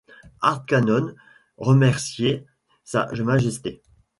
Hardquanonne, remerciez sa majesté.